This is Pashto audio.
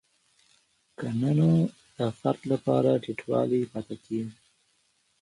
که نه نو د فرد لپاره ټیټوالی پاتې کیږي.